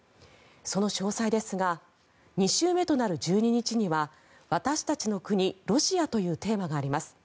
その詳細ですが２週目となる１２日には「私たちの国−ロシア」というテーマがあります。